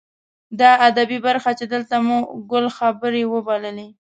دا ادبي برخه چې دلته مو ګل خبرې وبللې.